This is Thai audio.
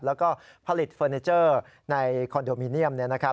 แล้วก็ผลิตเฟอร์เนเจอร์ในคอนโดมิเนียม